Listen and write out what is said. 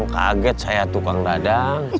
kaget saya tukang dadang